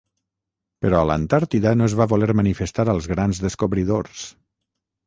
Però l'Antàrtida no es va voler manifestar als grans descobridors.